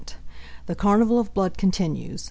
The carnival of blood continues.